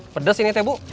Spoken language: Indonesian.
pedas ini teh bu